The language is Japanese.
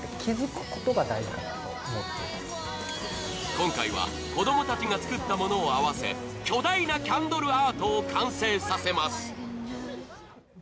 今回は子供たちが作ったものを合わせ巨大なキャンドルアートを完成させます。